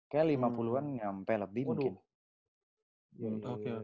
kayak lima puluh an nyampe lebih mungkin